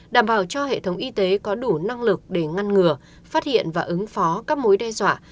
đảm bảo cho hệ thống y tế có đủ năng lực để ngăn ngừa phát hiện và ứng phó các mối đe dọa